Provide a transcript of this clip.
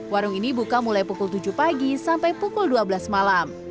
warung ini buka mulai pukul tujuh pagi sampai pukul dua belas malam